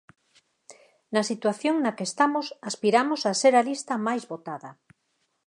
Na situación na que estamos aspiramos a ser a lista máis votada.